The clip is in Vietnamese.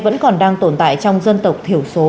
vẫn còn đang tồn tại trong dân tộc thiểu số